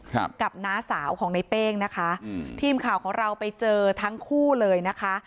ครับกับน้าสาวของในเป้งนะคะอืมทีมข่าวของเราไปเจอทั้งคู่เลยนะคะ